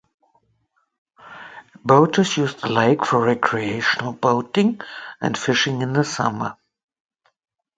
Boaters use the lake for recreational boating and fishing in the summer.